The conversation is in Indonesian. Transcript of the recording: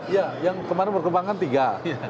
ya yang kemarin berkembang kan tiga